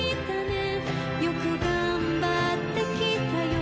よくがんばってきたよ